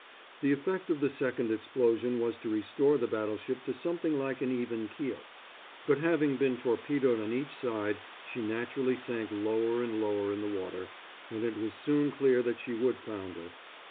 The effect of the second explosion was to restore the battleship to something like an even keel; but having been torpedoed on each side she naturally sank lower and lower in the water, and it was soon clear that she would founder.